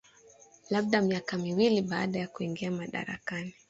labda miaka miwili baada ya kuingia madarakani